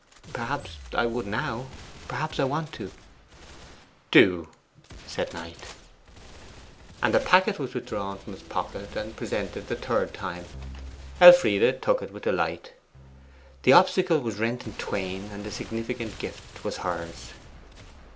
'Perhaps I would now; perhaps I want to.' 'Do!' said Knight. And the packet was withdrawn from his pocket and presented the third time. Elfride took it with delight. The obstacle was rent in twain, and the significant gift was hers.